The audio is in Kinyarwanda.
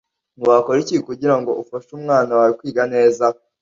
Wakora iki kugira ngo ufashe umwana wawe kwiga neza